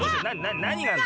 なにがあんの？